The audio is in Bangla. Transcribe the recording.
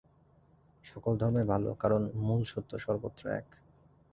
সকল ধর্মই ভাল, কারণ মূল সত্য সর্বত্র এক।